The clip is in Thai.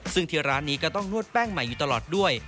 ซึ่งที่ร้านนี้ก็ต้องนวดแป้งใหม่อยู่ตลอดด้วย